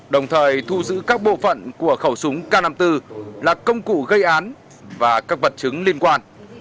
đồng thời thu giữ các bộ phận của khẩu súng k năm mươi bốn là công cụ gây án và các vật chứng liên quan